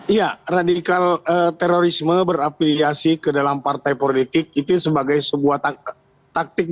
iya radikal terorisme berafiliasi ke dalam partai politik itu sebagai sebuah taktik